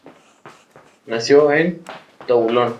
Nació en Toulon.